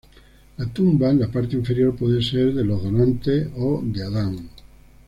La tumba en la parte inferior puede ser de los donantes o de Adán.